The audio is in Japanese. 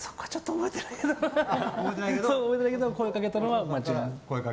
覚えてないけど声掛けたのは間違いない。